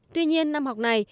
tuy nhiên năm học này